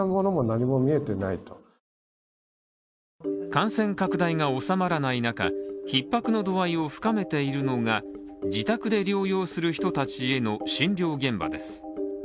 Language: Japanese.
感染拡大が収まらない中ひっ迫の度合いを深めているのが自宅で療養する人たちへの診療現場です。